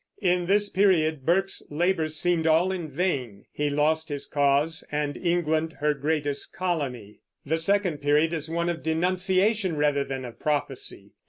In this period Burke's labor seemed all in vain; he lost his cause, and England her greatest colony. The second period is one of denunciation rather than of prophecy.